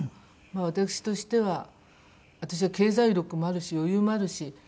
私としては私は経済力もあるし余裕もあるし